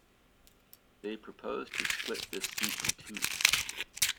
They proposed to split this seat into two.